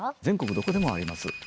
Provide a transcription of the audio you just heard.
全国どこでもあります。